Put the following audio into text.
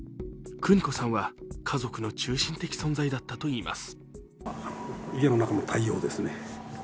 邦子さんは家族の中心的存在だったといいます。